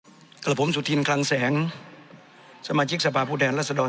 สวัสดีครับผมสุธินคลังแสงสมาชิกสภาพุทธแห่งรัศดร